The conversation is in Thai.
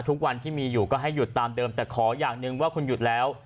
ทุกวันที่มีอยู่ก็ให้หยุดตามเดิมแต่ขออย่างหนึ่งว่าคุณหยุดแล้ว